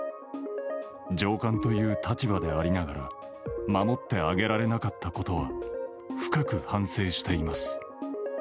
上官という立場でありながら守ってあげられなかったことを深く反省しています。